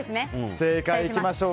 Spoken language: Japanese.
正解いきましょう。